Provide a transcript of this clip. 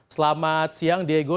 selamat siang diego